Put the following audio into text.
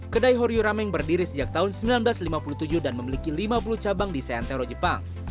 kedai horyu rameng berdiri sejak tahun seribu sembilan ratus lima puluh tujuh dan memiliki lima puluh cabang di seantero jepang